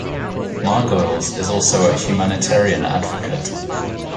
Margolyes is also a humanitarian advocate.